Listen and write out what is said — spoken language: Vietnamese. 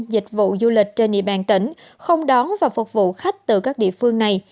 dịch vụ du lịch trên địa bàn tỉnh không đón và phục vụ khách từ các địa phương này